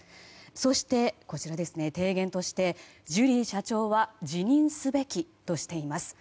そして、提言としてジュリー社長は辞任すべきとしています。